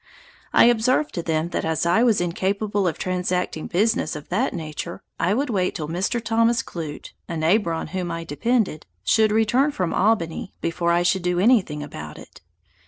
I observed to them that as I was incapable of transacting business of that nature, I would wait till Mr. Thomas Clute, (a neighbor on whom I depended,) should return from Albany, before I should do any thing about it.